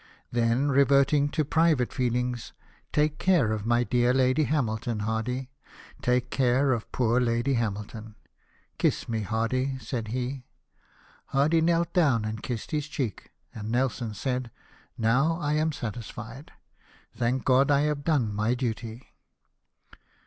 Then reverting to private feelings, ' Take care of my dear Lady Hamilton, Hardy ; take care of poor Lady Hamilton. Kiss me, Hardy," said he. Hardy knelt down and kissed his cheek, and Nelson said, "Now I am satisfied. Thank God I have done my duty."